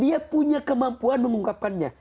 dia punya kemampuan mengungkapkannya